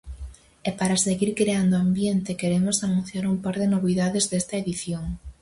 E para seguir creando ambiente, queremos anunciar un par de novidades desta edición.